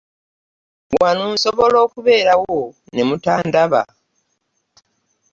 Wano nsobola okubeerawo ne mutandaba.